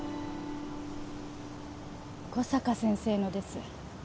小坂先生のです。